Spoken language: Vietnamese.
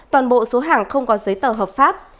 toàn bộ số hàng không có giấy tờ hợp pháp